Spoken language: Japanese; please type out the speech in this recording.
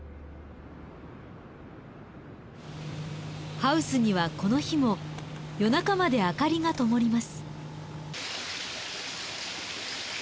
ハウスにはこの日も夜中まで明かりがともります。